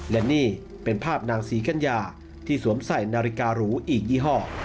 และนี่เป็นภาพนางศรีกัญญาที่สวมใส่นาฬิการูอีกยี่ห้อ